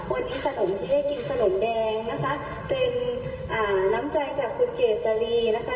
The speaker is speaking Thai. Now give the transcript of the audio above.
วันนี้ขนมที่ได้กินขนมแดงนะคะเป็นน้ำใจกับคุณเกียรติฤทธิ์นะคะ